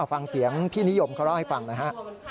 ฟังเสียงพี่นิยมเขาเล่าให้ฟังนะฮะ